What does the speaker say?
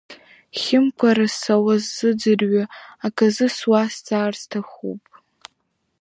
Хьымкәараса уаасзыӡырҩы, аказы суазҵаар сҭахуп.